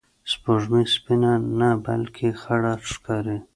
سپوږمۍ سپینه نه، بلکې خړه ښکاري